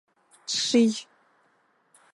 Шъий.